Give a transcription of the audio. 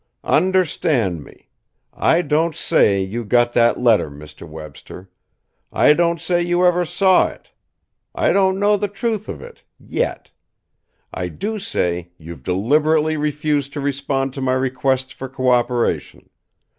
Understand me: I don't say you got that letter, Mr. Webster; I don't say you ever saw it; I don't know the truth of it yet. I do say you've deliberately refused to respond to my requests for cooperation.